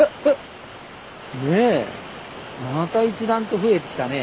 ねえまた一段と増えてきたね。